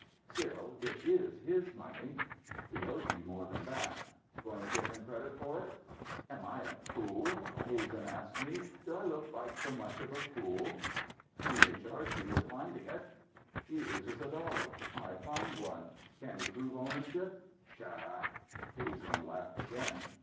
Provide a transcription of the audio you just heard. "Still it is his money." "He owes me more than that." "Going to give him credit for it?" "Am I a fool?" Hazen asked me. "Do I look like so much of a fool?" "He may charge you with finding it." "He loses a dollar; I find one. Can he prove ownership? Pshaw!" Hazen laughed again.